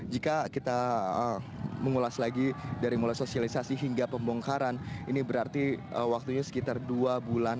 jika kita mengulas lagi dari mulai sosialisasi hingga pembongkaran ini berarti waktunya sekitar dua bulan